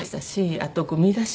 あとごみ出し。